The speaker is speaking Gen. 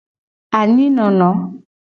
Anyi nono.